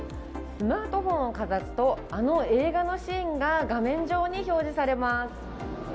スマートフォンをかざすとあの映画のシーンが画面上に表示されます。